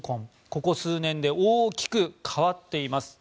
ここ数年で大きく変わっています。